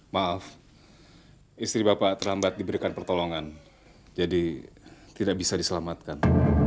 maaf istri bapak terlambat diberikan pertolongan jadi tidak bisa diselamatkan